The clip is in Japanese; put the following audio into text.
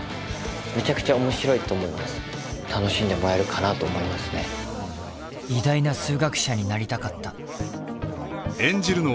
めちゃくちゃ面白いと思います楽しんでもらえるかなと思いますね偉大な数学者になりたかった演じるのは幼い頃から数学に人生を捧げてきた